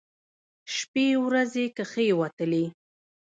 شپې ورځې کښېوتلې.